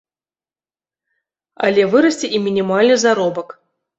Але вырасце і мінімальны заробак.